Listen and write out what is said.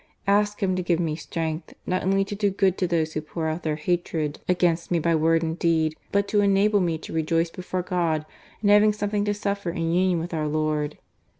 Ask Him to give me strength, not only to do good to those who pour out their hatred I, i GARCIA MORENO. against me by word and deed, but to enable me to rejoice before God in having something to suffer in union witli our Lord.